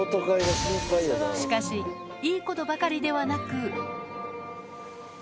しかし、いいことばかりではなく。